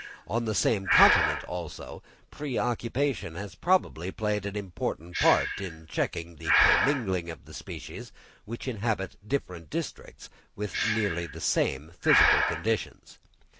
On the same continent, also, pre occupation has probably played an important part in checking the commingling of the species which inhabit different districts with nearly the same physical conditions.